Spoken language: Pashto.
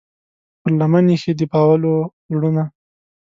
پر لمن ایښې د پاولو زړونه